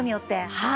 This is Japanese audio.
はい。